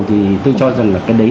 thì tôi cho rằng là cái đấy